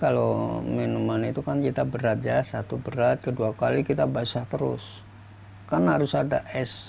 kalau minuman itu kan kita berat ya satu berat kedua kali kita basah terus kan harus ada es